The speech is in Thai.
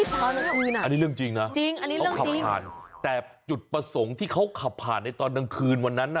ตอนนั้นคืนน่ะจริงเรื่องจริงต้องขับผ่านแต่จุดประสงค์ที่เขาขับผ่านในตอนนั้นคืนวันนั้น